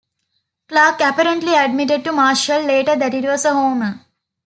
Clark apparently admitted to Marshall later that it was a homer.